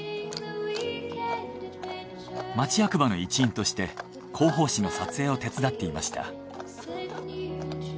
町役場の一員として広報誌の撮影を手伝っていました。